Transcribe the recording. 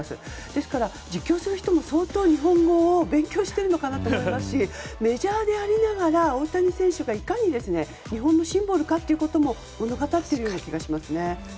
ですから実況をする人も相当、日本語を勉強しているのかなと思いますしメジャーでありながら大谷翔平がいかに日本のシンボル化ということも物語っているような気がします。